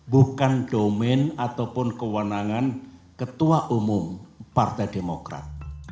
bukan domain ataupun kewenangan ketua umum partai demokrat